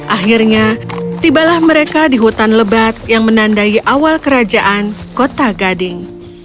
akhirnya tibalah mereka di hutan lebat yang menandai awal kerajaan kota gading